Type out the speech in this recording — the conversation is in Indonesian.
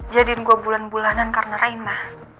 jadiin gue bulan bulanan karena raina